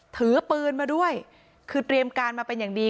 ถือปืนมาด้วยคือเตรียมการมาเป็นอย่างดี